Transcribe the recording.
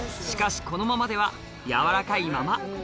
しかしこのままでは軟らかいまま。